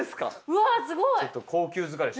うわあすごい！